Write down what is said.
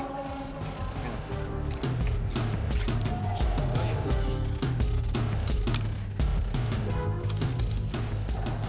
mereka tak peduli